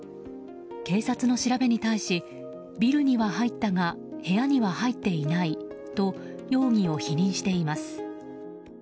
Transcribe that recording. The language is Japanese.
警察の調べに対しビルには入ったが部屋には入っていないと容疑を否認しています。